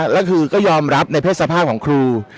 แล้วครูก็ยอมรับในเพศสภาพของครู